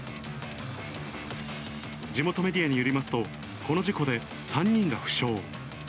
地元メディアによりますと、この事故で３人が負傷。